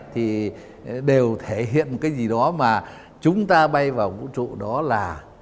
thì đều thể hiện cái gì đó mà chúng ta bay vào vũ trụ đó là